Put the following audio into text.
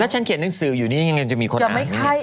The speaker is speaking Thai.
แล้วฉันเขียนหนังสืออยู่นี่ยังจะมีคนอาจมี